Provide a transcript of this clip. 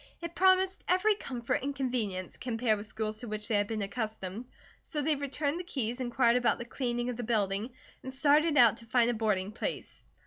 It promised every comfort and convenience, compared with schools to which they had been accustomed, so they returned the keys, inquired about the cleaning of the building, and started out to find a boarding place.